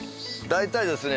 大体ですね